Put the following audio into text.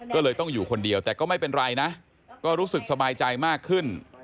ก็เลยต้องอยู่คนเดียวแต่ก็ไม่เป็นไรนะก็รู้สึกสบายใจมากขึ้น